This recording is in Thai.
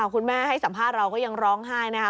คุณแม่ให้สัมภาษณ์เราก็ยังร้องไห้นะคะ